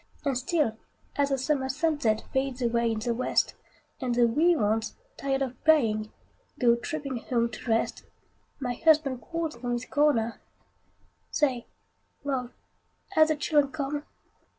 And still, as the summer sunset Fades away in the west, And the wee ones, tired of playing, Go trooping home to rest, My husband calls from his corner, "Say, love, have the children come?"